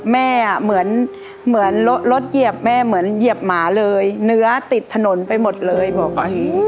แม่เหมือนรถเหยียบแม่เหมือนเหยียบหมาเลยเนื้อติดถนนไปหมดเลยบอกว่า